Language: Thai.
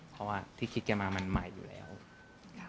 เพราะว่าที่คิดแกมามันใหม่อยู่แล้วครับ